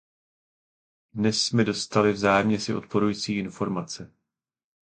Dnes jsme dostali vzájemně si odporující informace.